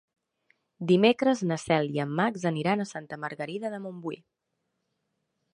Dimecres na Cel i en Max aniran a Santa Margarida de Montbui.